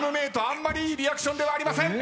あんまりいいリアクションではありません。